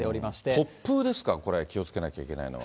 突風ですか、これ、気をつけなきゃいけないのは。